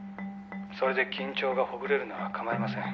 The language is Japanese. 「それで緊張がほぐれるなら構いません」